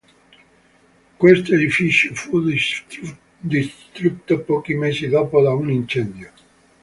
Questo edificio fu distrutto pochi mesi dopo da un incendio.